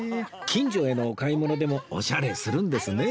近所へのお買い物でもオシャレするんですね